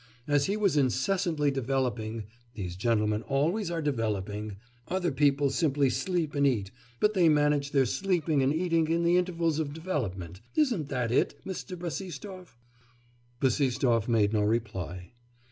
As he was incessantly developing (these gentlemen always are developing; other people simply sleep and eat; but they manage their sleeping and eating in the intervals of development; isn't that it, Mr. Bassistoff?' Bassistoff made no reply.)